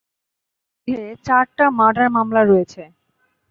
তার বিরুদ্ধে চারটা মাডার মামলা রয়েছে।